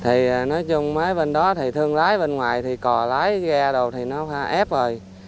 thì nói chung mấy bên đó thì thương lái bên ngoài thì cò lái ghe đồ thì nó hoa ép rồi